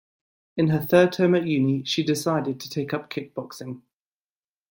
In her third term at uni she decided to take up kickboxing